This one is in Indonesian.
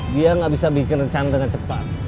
dia nggak bisa bikin rencana dengan cepat